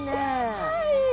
はい。